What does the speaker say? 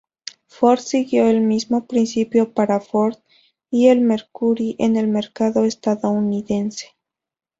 Ford siguió el mismo principio para Ford y Mercury en el mercado estadounidense.